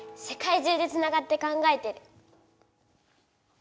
世界中でつながって考えてる。